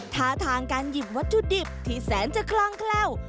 ท่าทางการหยิบวัตถุดิบที่แสนจะคล่องแคล่ว